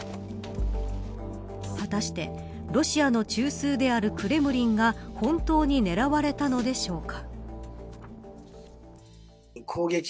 果たして、ロシアの中枢であるクレムリンが本当に狙われたのでしょうか。